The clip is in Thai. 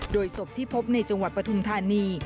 โดยศพที่พบในจังหวัดปฐุมธานี